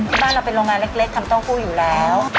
ที่บ้านเราเป็นโรงงานเล็กทำเต้าหู้อยู่แล้ว